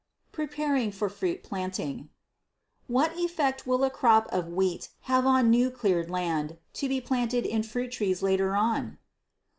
Preparing for Fruit Planting. What effect will a crop of wheat have on new cleared land, to be planted in fruit trees later on?